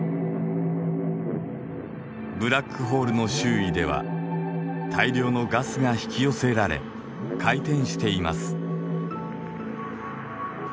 ブラックホールの周囲では大量のガスが引き寄せられ回転しています。